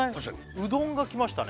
うどんが来ましたね